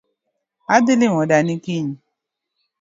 Adhii limo dani kiny